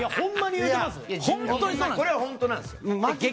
これは本当ですよ。